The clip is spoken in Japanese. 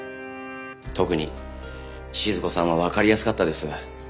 特に静子さんはわかりやすかったです。